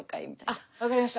あっ分かりました。